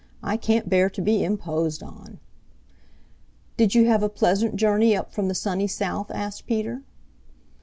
I can't bear to be imposed on." "Did you have a pleasant journey up from the sunny South?" asked Peter.